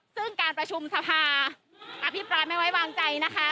ซึ่งการประชุมสภาอภิปรายไม่ไว้วางใจนะคะ